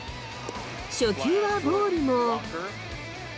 初球はボールも。